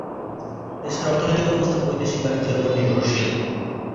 দেশের অর্থনৈতিক অবস্থা বৈদেশিক বাণিজ্যের উপর নির্ভরশীল।